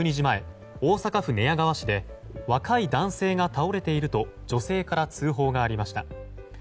前大阪府寝屋川市で若い男性が倒れていると女性から通報がありました。